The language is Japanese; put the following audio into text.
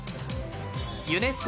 ユネスコ